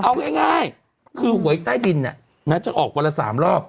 เอาง่ายคือหวยใต้ดินแม้จะออกวันละ๓รอบ